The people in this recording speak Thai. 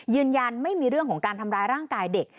ยืนยันไม่มีเรื่องของการทำร้ายร่างกายเด็ก